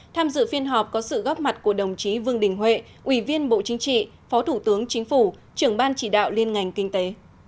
tham dự phiên họp có sự góp mặt của đồng chí vương đình huệ ủy viên bộ chính trị phó thủ tướng chính phủ trưởng ban chỉ đạo liên ngành kinh tế